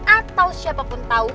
atau siapapun tau